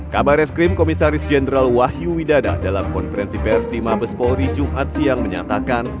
kabar reskrim komisaris jenderal wahyu widada dalam konferensi pers di mabes polri jumat siang menyatakan